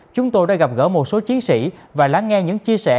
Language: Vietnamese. chúng tôi đã gặp gỡ một số chiến sĩ và lắng nghe những chia sẻ